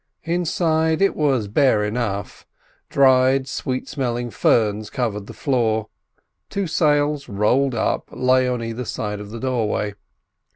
Inside it was bare enough. Dried, sweet smelling ferns covered the floor. Two sails, rolled up, lay on either side of the doorway.